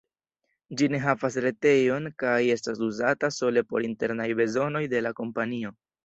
Ĝi ne havas retejon kaj estas uzata sole por internaj bezonoj de la kompanio.